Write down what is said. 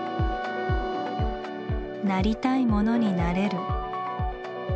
なりたいものになれる。